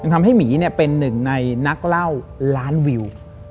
ทำให้หมีเป็นหนึ่งในนักเล่าล้านวิว